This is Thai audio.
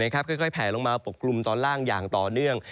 ค่อยแผลลงมาปกกลุ่มตอนล่างอย่างต่อเนื่อง